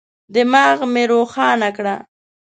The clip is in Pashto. دماغ مي روښانه کړه.